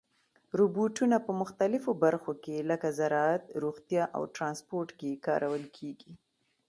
روبوټونه په مختلفو برخو کې لکه زراعت، روغتیا او ترانسپورت کې کارول کېږي.